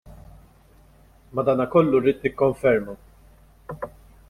Madankollu rrid nikkonferma.